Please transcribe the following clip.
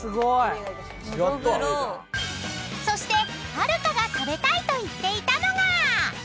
［そしてはるかが食べたいと言っていたのが］